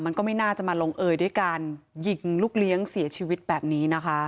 มันก็ไม่น่าจะมาลงเอยด้วยการยิงลูกเลี้ยงเสียชีวิตแบบนี้นะคะ